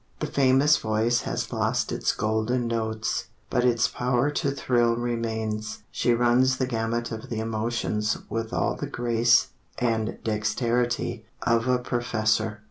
The famous voice has lost its golden notes, But its power to thrill remains, She runs the gamut of the emotions With all the grace and dexterity Of A PROFESSOR."